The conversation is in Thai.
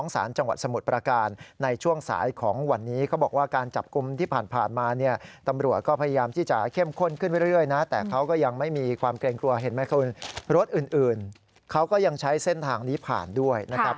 ส่วนรถอื่นเขาก็ยังใช้เส้นทางนี้ผ่านด้วยนะครับ